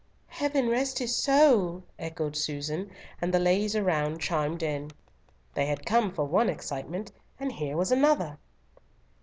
"Heaven rest his soul!" echoed Susan, and the ladies around chimed in. They had come for one excitement, and here was another.